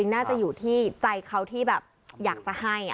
น่าจะจากใจเขาที่อยากจะให้